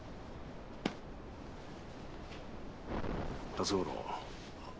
辰五郎。